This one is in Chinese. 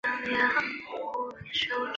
三屯营城址的历史年代为明代。